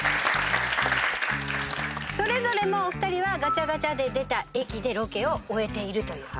それぞれもうお二人はガチャガチャで出た駅でロケを終えているという。